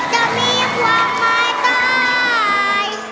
เจ้ามีความหมายใจ